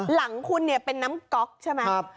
หลังคุณเนี่ยเป็นน้ำก๊อกใช่ไหม